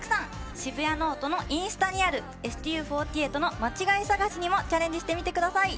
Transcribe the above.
「シブヤノオト」のインスタにあるＳＴＵ４８のまちがいさがしにもチャレンジしてみてください。